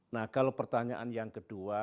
nah kalau pertanyaan yang kedua